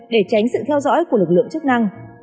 để tránh sự theo dõi của lực lượng chức năng